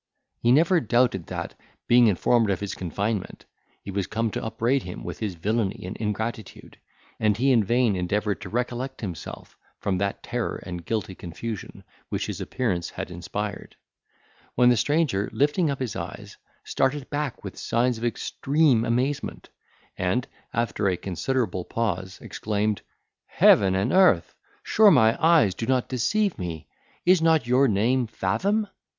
He never doubted that, being informed of his confinement, he was come to upbraid him with his villany and ingratitude, and he in vain endeavoured to recollect himself from that terror and guilty confusion which his appearance had inspired; when the stranger, lifting up his eyes, started back with signs of extreme amazement, and, after a considerable pause, exclaimed, "Heaven and earth! Sure my eyes do not deceive me! is not your name Fathom?